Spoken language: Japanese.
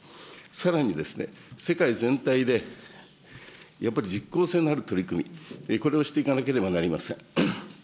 さらに世界全体でやっぱり実効性のある取り組み、これをしていかなければなりません。